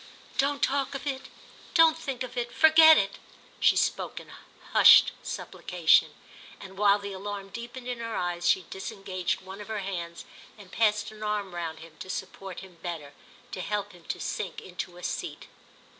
"Don't talk of it—don't think of it; forget it!" She spoke in hushed supplication, and while the alarm deepened in her eyes she disengaged one of her hands and passed an arm round him to support him better, to help him to sink into a seat.